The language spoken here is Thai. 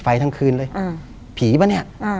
ทั้งคืนเลยผีป่ะเนี่ย